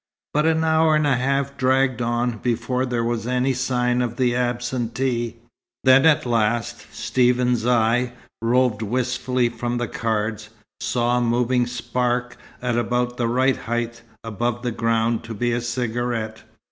But an hour and a half dragged on, before there was any sign of the absentee; then at last, Stephen's eye, roving wistfully from the cards, saw a moving spark at about the right height above the ground to be a cigarette.